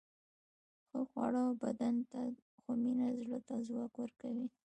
ښه خواړه بدن ته، خو مینه زړه ته ځواک ورکوي.